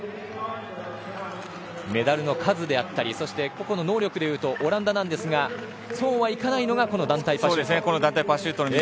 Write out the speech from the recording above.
メダルの数であったり個々の能力でいうとオランダなんですがそうはいかないのが団体パシュート。